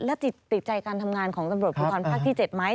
แล้วติดใจการทำงานของตำรวจภูทรภาคที่๗ไหม